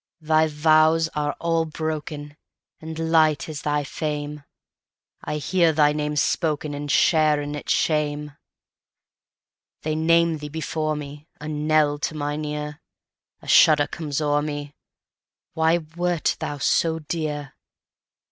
Thy vows are all broken, And light is thy fame:I hear thy name spokenAnd share in its shame. They name thee before me,A knell to mine ear;A shudder comes o'er me—Why wert thou so dear?